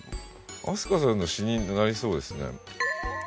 飛鳥さんの詩になりそうですね。